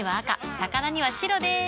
魚には白でーす。